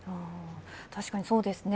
確かにそうですね。